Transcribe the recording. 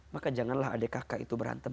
maka janganlah adik kakak itu berantem